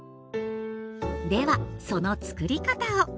ではそのつくり方を。